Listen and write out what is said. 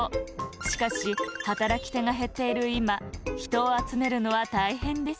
しかし働きてが減っているいま人をあつめるのはたいへんです。